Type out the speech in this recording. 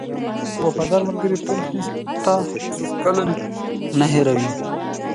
• وفادار ملګری تا هېڅکله نه هېروي.